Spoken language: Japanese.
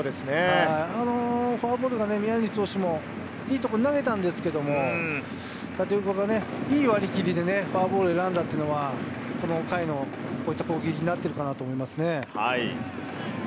あのフォアボールが宮西投手もいいところに投げたんですけれども、立岡がいい割り切りでフォアボールを選んだっていうのはこの回のこういった攻撃になってるかなと思いますね。